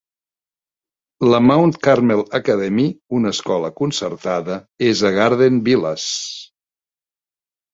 La Mount Carmel Academy, una escola concertada, és a Garden Villas.